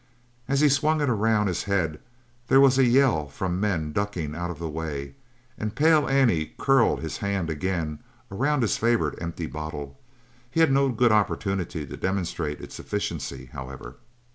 As he swung it around his head there was a yell from men ducking out of the way, and Pale Annie curled his hand again around his favorite empty bottle. He had no good opportunity to demonstrate its efficiency, however.